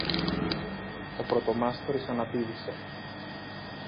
Ο πρωτομάστορης αναπήδησε.